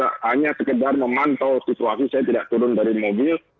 saya hanya sekedar memantau situasi saya tidak turun dari mobil